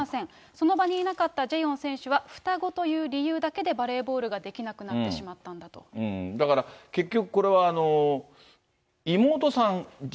その場にいなかったジェヨン選手は、双子という理由だけでバレーボールができなくなってしまったんだだから、結局